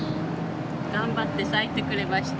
頑張って咲いてくれました。